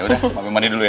udah mau mandi dulu ya